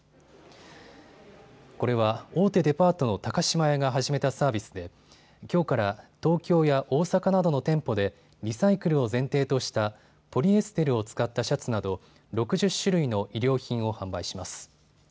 これは大手デパートの高島屋が始めたサービスできょうから東京や大阪などの店舗でリサイクルを前提としたポリエステルを使ったシャツなど６０種類の衣料品を販売します。